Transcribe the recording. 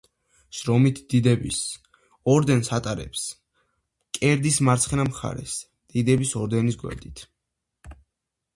შრომითი დიდების ორდენს ატარებენ მკერდის მარცხენა მხარეს, დიდების ორდენის გვერდით.